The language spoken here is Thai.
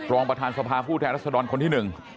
รองประธานสภาผู้แท้รัศดรคนที่๑